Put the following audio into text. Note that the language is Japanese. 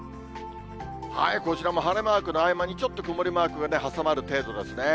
こちらも晴れマークの合間にちょっと曇りマークが挟まる程度ですね。